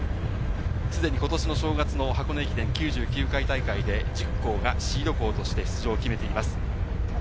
既にことしの正月の箱根駅伝９９回大会で１０校がシード校として出場を決めています。